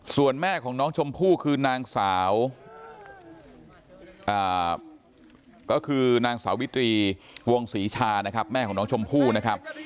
ส่วนแม่ของน้องชมพู่คือนางสาวก็คือนางสาวิตรีวงศรีชานะครับแม่ของน้องชมพู่นะครับ